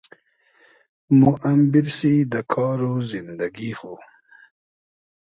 مۉ ام بیرسی دۂ کار و زیندئگی خو